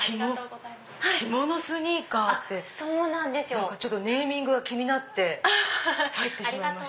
着物スニーカーってネーミングが気になって入ってしまいました。